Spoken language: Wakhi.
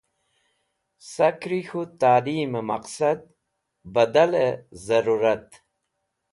Sakri k̃hũ talimẽ maqsad badalẽ zẽrũrat.